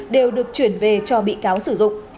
đều được chuyển về cho bị cáo sử dụng